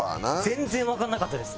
全然わかんなかったです。